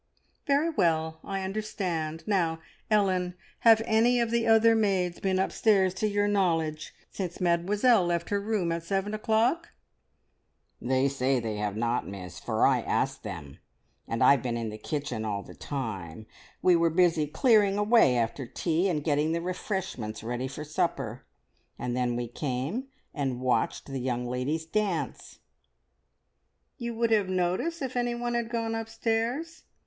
Very well, I understand! Now, Ellen, have any of the other maids been upstairs to your knowledge since Mademoiselle left her room at seven o'clock?" "They say they have not, miss, for I asked them, and I've been in the kitchen all the time. We were busy clearing away after tea, and getting the refreshments ready for supper, and then we came and watched the young ladies dance." "You would have noticed if anyone had gone upstairs?"